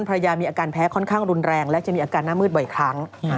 ภรรยามีอาการแพ้ค่อนข้างรุนแรงและจะมีอาการหน้ามืดบ่อยครั้ง